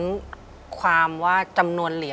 ที่ผ่านมาที่มันถูกบอกว่าเป็นกีฬาพื้นบ้านเนี่ย